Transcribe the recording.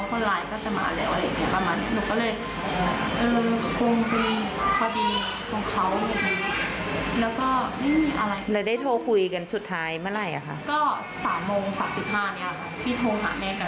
กินตกดวงตกอะไรอย่างนี้ให้ระวังอุบัติเหตุอะไรประมาณนี้ค่ะ